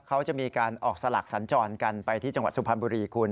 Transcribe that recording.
เขาจะมีการออกสลักสัญจรกันไปที่จังหวัดสุพรรณบุรีคุณ